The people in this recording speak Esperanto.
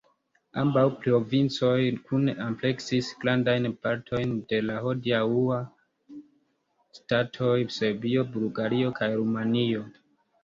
Ambaŭ provincoj kune ampleksis grandajn partojn de la hodiaŭaj ŝtatoj Serbio, Bulgario kaj Rumanio.